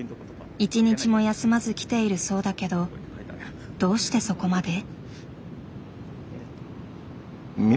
一日も休まず来ているそうだけどどうしてそこまで？